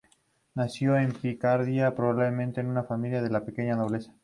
Nació en Picardía, probablemente en una familia de la pequeña nobleza.